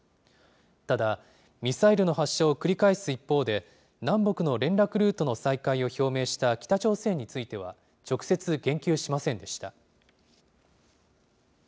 ただ、ミサイルの発射を繰り返す一方で、南北の連絡ルートの再開を表明した北朝鮮については、直接、言及しませんでした。